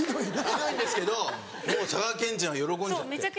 ひどいんですけど佐賀県人は喜んじゃって。